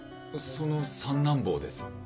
その三男坊です。